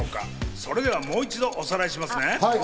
それではもう一度おさらいしますね。